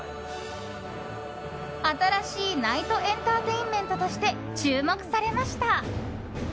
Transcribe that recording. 新しい、ナイトエンターテインメントとして注目されました。